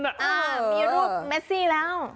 อ่ามีรูปเมซี่แล้ว